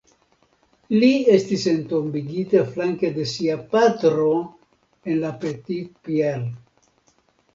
Li estas entombigita flanke de sia patro en La Petite Pierre.